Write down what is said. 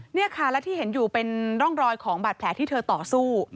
นี่ค่ะและที่เห็นอยู่เป็นร่องรอยของบาดแผลที่เธอต่อสู้